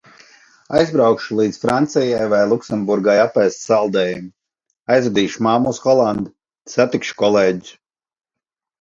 Aizbraukšu līdz Francijai vai Luksemburgai apēst saldējumu. Aizvedīšu mammu uz Holandi. Satikšu kolēģus.